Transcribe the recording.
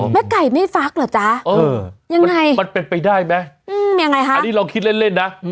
แม่ไก่ไม่ฟักเหรอจ๊ะมันเป็นไปได้ไหมอันนี้เราคิดเล่นนะ